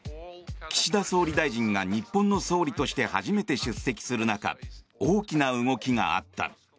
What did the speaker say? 岸田総理大臣が日本の総理として初めて出席する中大きな動きがあった。